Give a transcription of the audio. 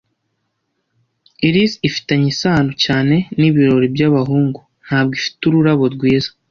Iris ifitanye isano cyane nibirori byabahungu ntabwo ifite ururabo rwiza.